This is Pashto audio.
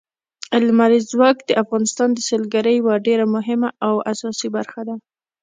لمریز ځواک د افغانستان د سیلګرۍ یوه ډېره مهمه او اساسي برخه ده.